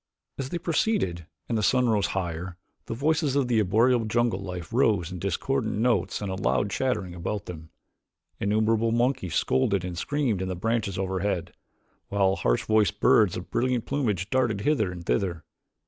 As they proceeded and the sun rose higher, the voices of the arboreal jungle life rose in discordant notes and loud chattering about them. Innumerable monkeys scolded and screamed in the branches overhead, while harsh voiced birds of brilliant plumage darted hither and thither.